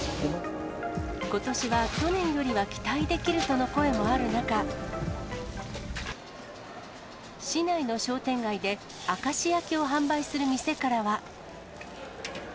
ことしは去年よりは期待できるとの声もある中、市内の商店街で明石焼きを販売する店からは。